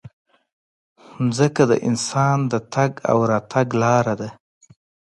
مځکه د انسان د تګ او راتګ لاره ده.